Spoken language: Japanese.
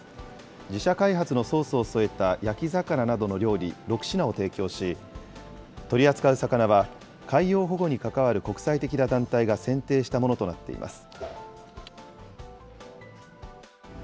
自社開発のソースを添えた焼き魚などの料理６品を提供し、取り扱う魚は、海洋保護に関わる国際的な団体が選定したものとなっています。